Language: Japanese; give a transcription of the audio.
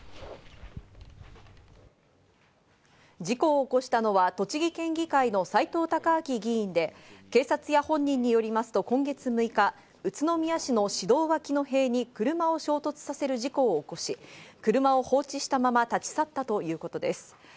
事故を起こしたのは栃木県議会の斉藤孝明議員で警察や本人によりますと、今月６日宇都宮市の市道脇の塀に車を衝突させる事故を起こし、車を放置したまま、立ち去ったということです。